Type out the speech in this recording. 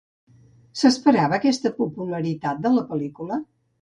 S'esperava aquesta popularitat de la pel·lícula?